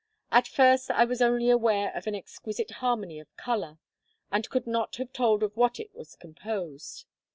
At first I was only aware of an exquisite harmony of color, and could not have told of what it was composed.